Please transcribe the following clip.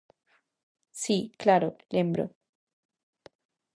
Si, claro, lembro.